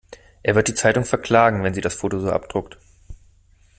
Er wird die Zeitung verklagen, wenn sie das Foto so abdruckt.